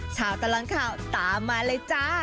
ชาวตลังข่าวตามมาเลยจ้า